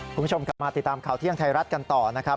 คุณผู้ชมกลับมาติดตามข่าวเที่ยงไทยรัฐกันต่อนะครับ